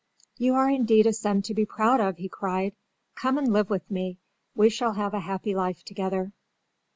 "You are indeed a son to be proud of!" he cried. "Come and live with me. We shall have a happy life together."